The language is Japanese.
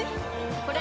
これ！